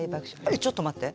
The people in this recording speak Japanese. えちょっと待って！